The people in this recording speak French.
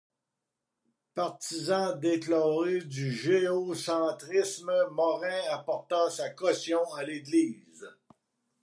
Partisan déclaré du géocentrisme, Morin apporta sa caution à l'Église.